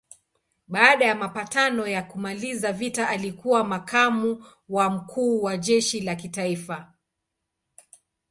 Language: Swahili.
Baada ya mapatano ya kumaliza vita alikuwa makamu wa mkuu wa jeshi la kitaifa.